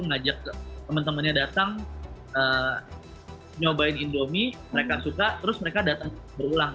ngajak teman temannya datang nyobain indomie mereka suka terus mereka datang berulang